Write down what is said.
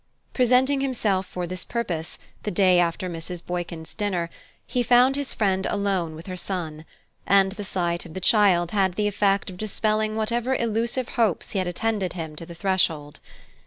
Presenting himself for this purpose, the day after Mrs. Boykin's dinner, he found his friend alone with her son; and the sight of the child had the effect of dispelling whatever illusive hopes had attended him to the threshold.